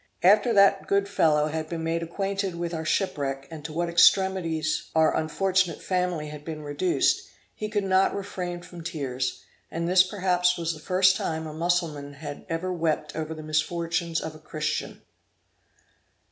After that good fellow had been made acquainted with our shipwreck, and to what extremities our unfortunate family had been reduced, he could not refrain from tears; and this perhaps was the first time a Mussulman had ever wept over the misfortunes of a Christian.